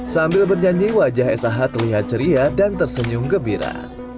sambil bernyanyi wajah sah terlihat ceria dan tersenyum gembira